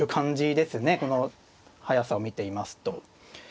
この速さを見ていますと。